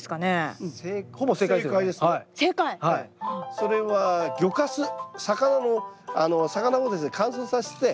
それは魚をですね乾燥させて。